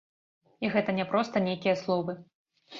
І гэта не проста нейкія словы.